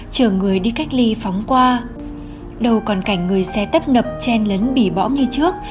chờ người đi cách ly phóng qua đâu còn cảnh người xe tấp nập chen lấn bỉ bõm như trước